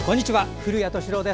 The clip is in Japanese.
古谷敏郎です。